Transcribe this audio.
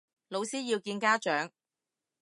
老師要見家長